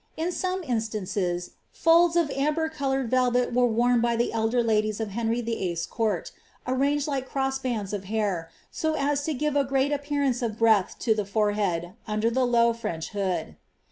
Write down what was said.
w some instances, folds of amber coloured velvet were worn by the elJer ladies of Henry Vlll.'s court, arranged like crossed bands of hair, so as to give a great appearance of breadth to the forehead, under the low French hood.